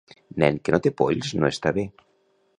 Nen que no té polls no està bé.